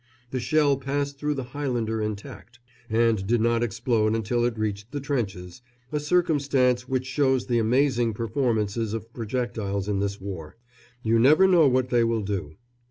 The shell passed through the Highlander intact, and did not explode until it reached the trenches, a circumstance which shows the amazing performances of projectiles in this war. You never know what they will do.